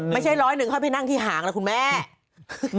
ไม่ใช่ร้อยหนึ่งเข้านั่งที่ห่างครับคุณแมว